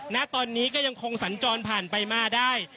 ณตอนนี้ก็ยังคงสัญจรผ่านไปมาได้